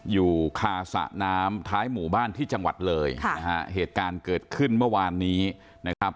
อยู่คาสระน้ำท้ายหมู่บ้านที่จังหวัดเลยค่ะนะฮะเหตุการณ์เกิดขึ้นเมื่อวานนี้นะครับ